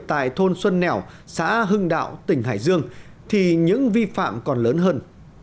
tại thôn xuân nẻo xã hưng đạo tỉnh hải dương thì những vi phạm còn lớn hơn